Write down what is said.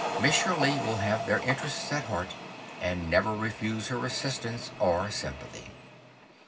Miss Shirley will have their interests at heart and never refuse her assistance or sympathy.